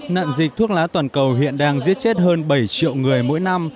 nạn dịch thuốc lá toàn cầu hiện đang giết chết hơn bảy triệu người mỗi năm